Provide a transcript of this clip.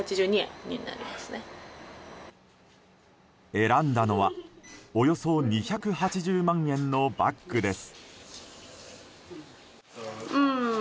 選んだのはおよそ２８０万円のバッグです。